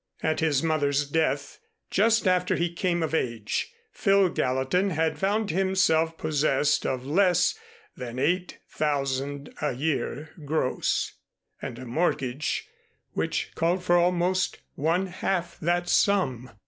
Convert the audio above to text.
At his mother's death, just after he came of age, Phil Gallatin had found himself possessed of less than eight thousand a year gross, and a mortgage which called for almost one half that sum.